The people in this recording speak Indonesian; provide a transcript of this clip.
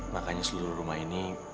makanya seluruh rumah ini